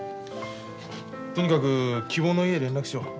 とにかく希望の家へ連絡しよう。